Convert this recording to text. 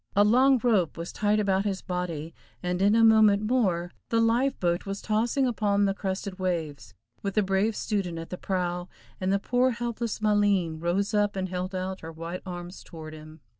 A long rope was tied about his body, and in a moment more the life boat was tossing upon the crested waves, with the brave student at the prow, and the poor helpless Maleen rose up and held out her white arms toward him.